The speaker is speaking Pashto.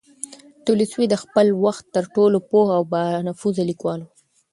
تولستوی د خپل وخت تر ټولو پوه او با نفوذه لیکوال و.